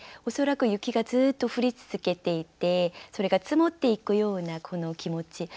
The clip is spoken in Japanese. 恐らく雪がずっと降り続けていてそれが積もっていくようなこの気持ち。